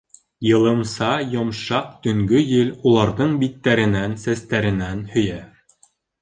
Йылымса, йомшаҡ төнгө ел уларҙың биттәренән, сәстәренән һөйә.